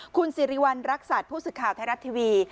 คุณสิริวัณรักษัตริย์ผู้สื่อข่าวไทยรัฐทีวี